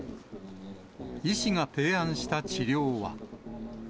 医師が提案した治療は。